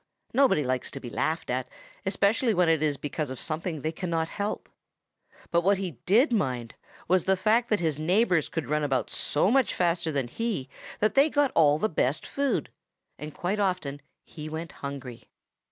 Nobody likes to be laughed at, especially when it is because of something they cannot help. But what he did mind was the fact that his neighbors could run about so much faster than he that they got all the best of the food, and quite often he went hungry.